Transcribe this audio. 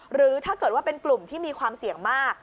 หรือถ้าเกิดว่าเป็นกลุ่มที่มีความเสี่ยงมาก